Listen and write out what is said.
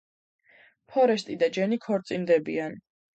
ფორესტი და ჯენი ქორწინდებიან.